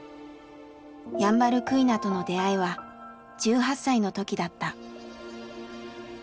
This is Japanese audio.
ヤンバルクイナとの出会いは１８歳の時だった。